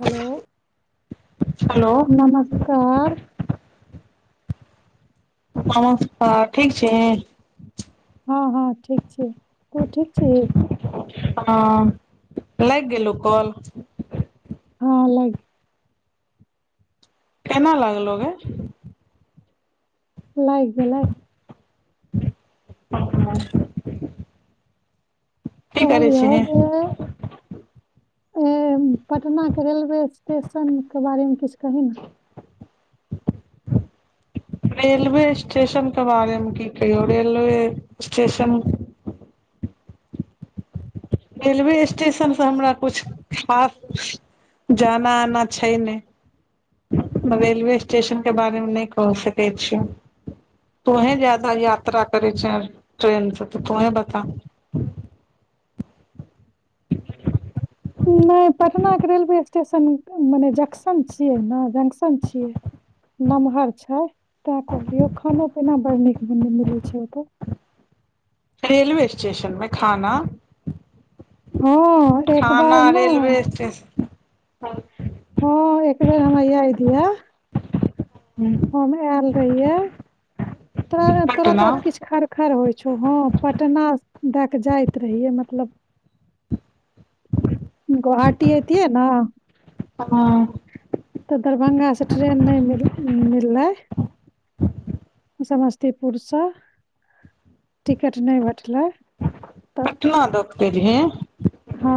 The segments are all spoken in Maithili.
हेलो हेलो नमस्कार नमस्कार ठीक छी हँ हँ ठीक छी तू ठीक छी हँ लैग गेलौ कॉल हँ लागि केना लागलौ गे लैग गेलै [unintelligible] की करै कहलियो छीही जे ए पटनाके रेलवे स्टेशनके बारेमे किछ कहिने रेलवे स्टेशन क बारेमे की कहियौ रेलवे स्टेशन रेलवे स्टेशनसँ हमरा कुछ खास जाना-आना छै नै रेलवे स्टेशनके बारेमे नय कह सकैत छियौ तोहे ज्यादा यात्रा करै छै ट्रेन सं तऽ तोहे बता नहि पटना के रेलवे स्टेशन माने जंक्शन छियै ने जंक्श जंक्शन चितै नमहर छै तें कहलियौ खनो-पीना बड़ नीक मिलै छै ओ तअ रेलवे स्टेशनमें खाना हँ एक खाना बार ना रेलवे हँ एक बेर हमे आयल रहिये स्टेशन हम आयल रहियै तोराऔरे थोड़ा-थोड़ा पटना किछ खर खर आवै ह पटना दैए कऽ जाइत रहियै मतलब गोहाटी एतीयै न ह तऽ दरभंगासँ ट्रेन नहि मिल मिललै समस्तीपुरसँ टिकट नहि भेटलै तऽ पटना दऽ कऽ एलही हँ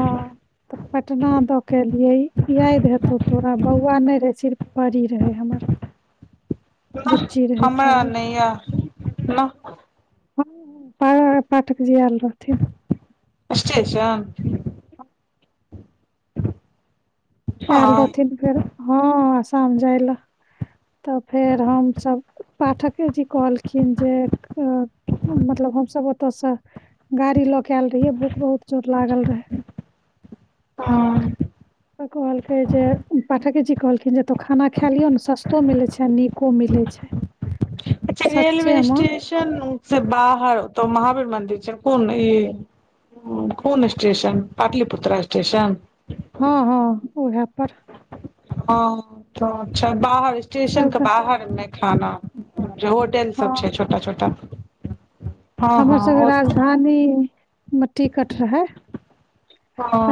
तऽ पटना दऽ के एलियै यैद हेतौ तोरा बौआ नहि रहै सिर्फ परी रहै हमर नाह बुच्ची राहि हमरा खाली नैया नाह हँ हँ पाठक जी आल रहथिन स्टेशन आयल हँ रहथिन फेर हँ असम जाय लए तऽ फेर हमसभ पाठके जी कहलखिन जे मतलब हमसभ ओतय से ड़ी लऽ के आयल रहियै भूख बहुत जोर लागल रहे हँ [inaudible] त कहलकै जे पाठके जी कहलखिन जे एतह खाना खा लियौ ने सस्तो मिलैत छै आ नीको मिलैत छै [inaudible] जे सच्चे रेलवे मे स्टेशन से बाहर तऽ महावीर मन्दिर कोन ई कोन स्टेशन पाटलिपुत्रा स्टेशन ओहे पर हँ अच्छा बाहर स्टेशन के सबके बाहरमे खाना जे होटेल सभ छै छोटा छोटा हँ हँ हमरसभके ओत राजधानी म टिकट रहै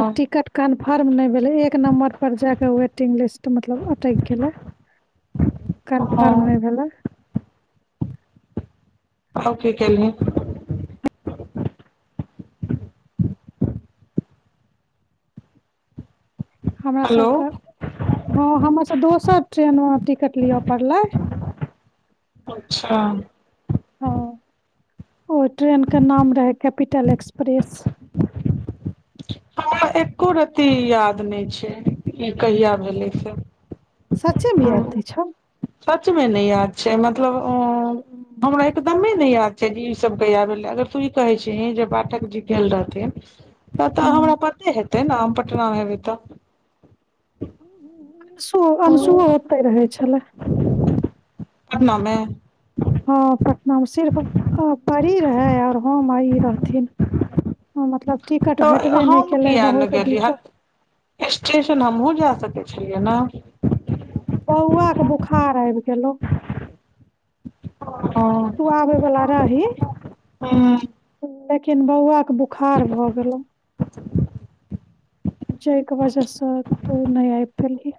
आ टिकट कान फॉर्म नहि भेलै एक नम्बर पर जाक वेटिंग लिस्ट मतलब अटकि गेलै कन्फर्म हँ नइ भेलय त की केलही हेलो हमरासभक हँ हमरास दोसर ट्रेनमे टिकट लिअ पड़लै अच्छा हँ ओ ट्रेनके नाम रहै कैपिटल एक्सप्रेस एको रती याद नहि छै ई कहिया भेलै से सच्चेमे याद नै छो सचमे नै याद छै मतलब अ उ हमरा एकदमे नै याद छै जे ई सभ कहिया भेलइ र तू इ कहे छहिन जे पाठक जी गेल रहथिन त' त' हमरा हूँ पते हेतै न हम पटनामे हेबइ त अंशु अंशुओ पटना ओत्ते रहै छलि पटनामे हँ पटनामे सिर्फ परी रहै आओर हम आ ई रहथिन हँ मतलब टिकट तऽ भेटबे नहि हम केलै किया नै बहुत गेलियै दिक्कत हट स्टेशन हमहु जा सके छेलियै नै बौआक बुखार आबि गेलहुँ तू हूँ आबै बला रहि तू किन बौआक बुखार भऽ गेलहूँ जाइक वजहसँ तू नै आइ पलहि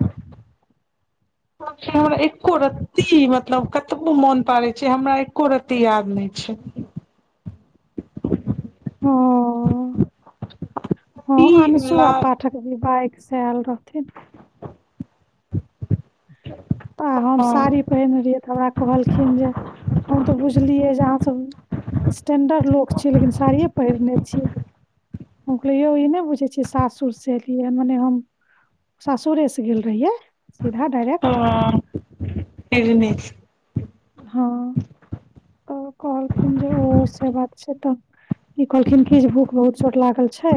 [inaudible] हमरा एको रत्ती मतलब कतबो मोन पारय छी हमरा एको रत्ती याद नहि छै [inaudible] हँ हँ ई अनसु आ ला पाठक जी बाइक स आयल रहथिन [unintelligible] तऽ हम साड़ी हँ पहिरने रहियै त हमरा कहलखिन जे हम तऽ बुझलियै जे अहाँ सभ स्टेंडर्ड लोक छी लेकिन साड़िये पहिरने छियै हम कहलिए यौ ई नै बुझै छियै सासुर से एलियै मने हम सासुरेस गेल रहियै सीधा डायरेक्ट ह नहि हँ तऽ कहलखिन जे ओ से बात छै तऽ ई कहलखिन की जे भूख बहुत जोर लागल छै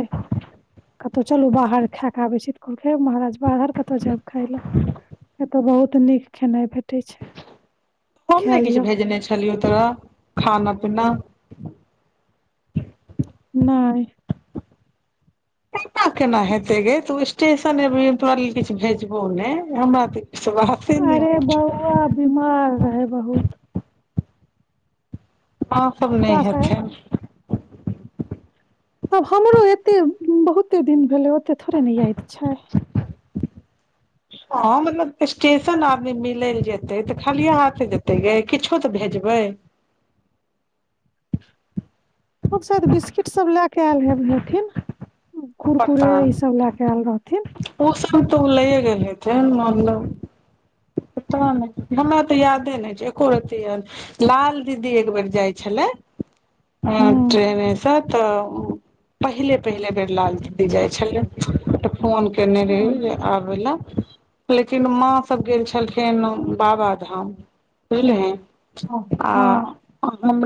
कतहु चलू बाहर खा कऽ आबै छी तऽ कहलखै महाराज बाहर कतअ जायब खााय लए एतय बहुत नीक खेनाइ भेटैत छै हम खा ने किछ लिअ भेजने छलियौ तोरा खाना पीना नहि एना केना हेतै गै तू स्टेशन एबहि हम तोरा लेल किछु भेजबौ नै हमरा तऽ विश्वासे नहि अरे होइ छौ बौआ बीमार रहै बहुत माँ सब नहि बौआ से हेथिन तब हमरो एतेक बहुते दिन भेलै ओतेक थोड़े ने याद छै ह मतलब स्टेशन आदमी मिलै लेल जेतै तऽ खालिए हाथ जेतै गे किछो तऽ भेजबै बै [inaudible] आओर साइद बिस्कुट सभ लए कऽ आयल हेब हेथिन पता कुरकुरे ई नहि सभ लए कऽ आयल रहथिन ओ तऽ ओ लैए गेल हेथिन मतलब [inaudible] तेहेमे हमरा तऽ यादे नहि छै एको रत्ती याद लाल दीदी एकबेर जाइ छलै [inaudible] ह हूँ ट्रेनेसँ तऽ पहिले पहिल बेर लाल जाइ छलै तऽ फोन केने रहै हँ जे आबै लए लेकिन माँ सभ गेल छलखिन बाबाधाम बुझलिहिन आ हँ हम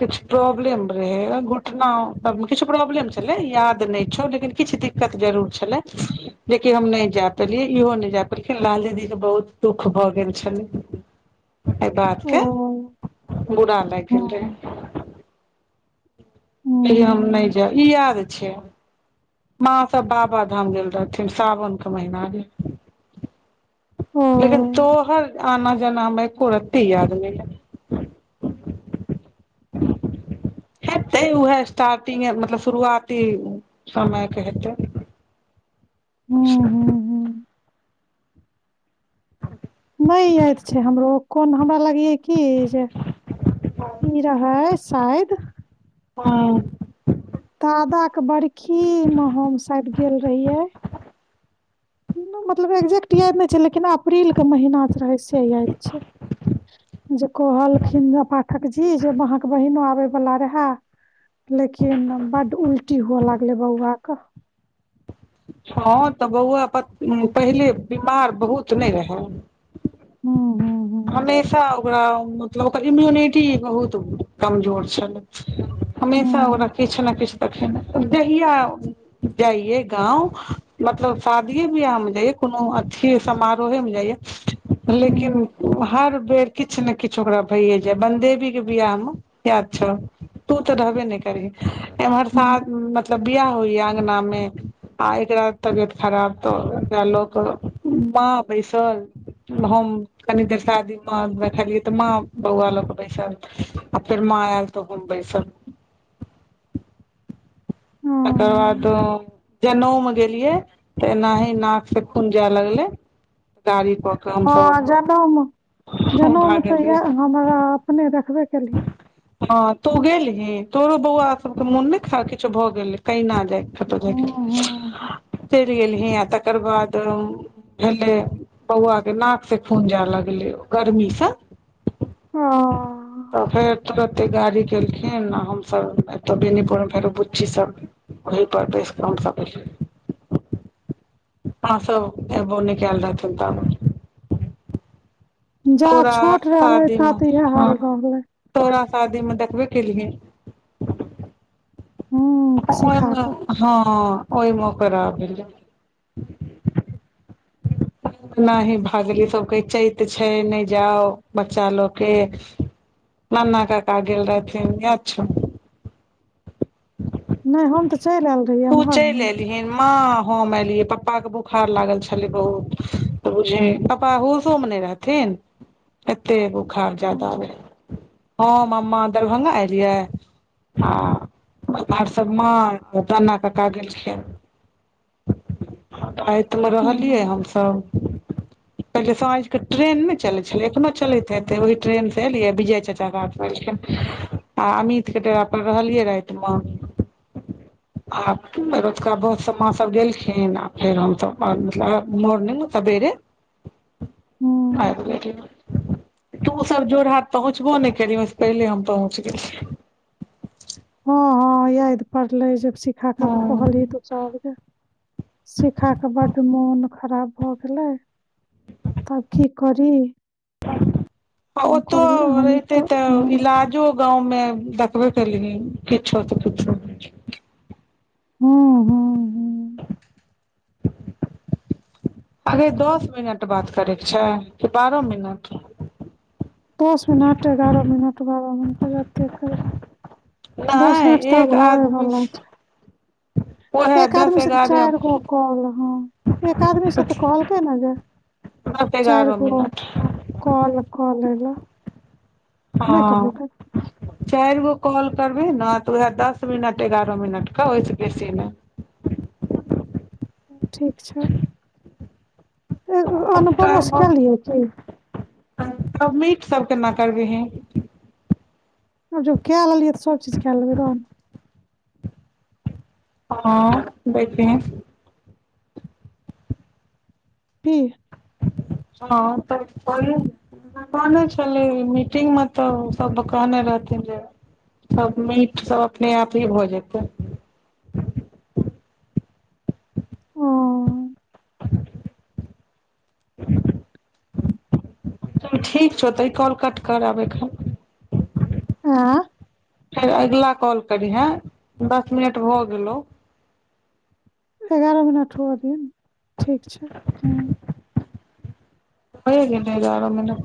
किछ प्रोब्लम रहै रहय घुटना मे किछ प्रोब्लम याद नहि छौ लेकिन किछु दिक्कत जरूर छेलै जेकि हम नहि जा पेलियै इहो नहि जा पैलखिन लाल दीदी के बहुत दुःख भऽ गेल छलै [inaudible] एहि ओ बातके बुरा लागि गेल हूँ रहै कहियै हम हूँ नहि जैब ई याद छै माँ सब बाबाधाम गेल रहथिन साावनके महीनामे ओ लेकिन तोहर आना जाना हमरा एकोरत्ती याद नै ये [unintelligible] हेतै उहै स्टार्टिंग मतलब शुरुआती समयके हेतै [inaudible] हूँ हूँ [inaudible] हूँ नहि याद छै हमरो कोन हमरा लागैये की जे ई रहै शायद हँ दादाके बरखीमे हम शायद गेल रहियै मतलब एक्जैेक्ट याद नहि छै लेकिन अप्रीलके महीना रहै से याद छै जे कहलखि न पाठक जी जे अहाँके बहिनो आबय वला रहै लेकिन बड्ड उल्टी हुअ लागलै बौआके हँ तऽ बौआ पहिले बीमार बहुत नहि रहै हूँ हूँ हूँ हमेशा ओकरा मतलब ओकर इम्यूनिटी बहुत कमजोर छलै हमेशा हूँ ओकरा किछु ने किछु देखैमे जहिया जाइयै गाँव मतलब शादीेये बियाह मे जाइयै कोनो अथी समारोहे मे जाइयै हूँ लेकिन हर बेर किछु ने किछु ओकरा भैये जाय बनदेबी के बियाह मे याद छौ तू तऽ रहबे नहि करहि एमहर साल हूँ मतलब बियाह होइया अंगना मे आ एक रहय तबियत खराब तऽ एकरा लऽ कऽ माँ बैसल हम कनी देर शादी माँ बैठलियै तऽ माँ बौआ लऽ कऽ बैसल आ फेर माँ आयल तऽ हम से सब [unintelligible] [inaudible] तकर बाद हूँ जनऊमे गेलियै तऽ एनाही नाक से खून जाय लगलै गाड़ी कऽ हँ हमसभ जनउमे जनउमे तऽ भागलियै इएह हमरा अपने देखखबे केलही हँ तु गेलही तोरो बौआ सबके मोन नइ ख किछो भऽ गेल केना [unintelligible] हूँ हूँ हूँ चइल गेलीये तकर बाद भेले बौआके नाक सँ खून जाय लगलै गर्मीसँ हँ तऽ फेर तुरते गाड़ी केलखिन आ हमसभ एतअ बेनीपुर मे फेरो बुच्ची सब ओहि पर बेसके हम सब अलो यो [inaudible] हँ सब एबो न कायल रहथिन सब जा तोरा छोट रहलै शादीम ता तऽ इएह हाल रहलै तोरा शादी मे देखबे केलिहि हूँ ओ सिखा कऽ हँ ओहि म करराब [inaudible] एना ही भागली सभ कहे चैत छै नहि जाउ बच्चा लोकके नना काका गेल रहथिन याद छो [inaudible] नहि हम तऽ चलि आयल रहियै तू एम्हर चलि ने एलिही माँ हम एलिये पपाक के बोखार लागल छलै बहुत बुझे पप्पा होशो मे नहि रहथिन एते बुखार जादा हम्म। रहै हम माँ दरभंगा एलियै आ ओई पार सँ माँ दना कका गेलेलखत मे रहलियै हुँ, हम सब दा [inaudible] पहिले साझ क ट्रेन नइ चलै छलै एखनो चलैत हेतै ओहि ट्रेनसँ एलियै विजय चचा रातमे ऐलखिन आ अमित के डेरा पर रहलियै राइत म [inaudible] आ रउतका माँ सब गेलखिन आ फेर हमसभ मतलब मोर्निंगो ताबे स बेरे [inaudible] हुँ, [unintelligible] तू सब जोड़ हाट पहुँचबो नहि केल्हि वैसे पहिले हम पहुँच गेलये हँ हँ याद परले जे सिखाक कहली हँ तू सबके सिखाके बड मोन खराब भऽ गेल तब कि करि ओतो हम रहते एना तऽ इलाजो गाँव मे देखबे केली किछो तऽ किछो हू हू हू अगे दस मिनट बात करयके छै कि बारह मिनट दस मिनट एगारह मिनट बगारह मिनट दस मिनट नहि एक तऽब आदमी होयवला छै ओहे एक दस आदमी से तऽ एगारह चारि गो कॉल ह एक आदमी से तऽ कहलकै ने जे दस चारि एगारह गो मिनट कॉल कॉअ लऽले नहि हँ कहलके चारि गो कॉल करबही ने तऽ उएह दस मिनट एगारह मिनटके ओहिसँ बेसी नहि ठीक छै एगो अनुभव मुशकीए की मीट सभ केना करबीई जब क ललियऐ तऽ सब चीज क लेबै रोन हँ बैटे ठीक हँ तऽ कह कहने छलै मीटिंग मे तऽ सब कहने रहथिन जे सब मीट सब अपने आप ही भऽ जेतै [inaudible] ओ [inaudible] चल ठीक छौ तऽ ई कॉल कट करब एखन आँ फेर अगिला कॉल करिहेँ दस मिनट भऽ गेलहु एगारह मिनट हुअ दियौन ठीक छै ह भऽ ए गेलै एगारह मिनट